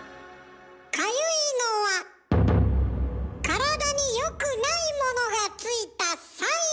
かゆいのは体に良くないものがついたサイン。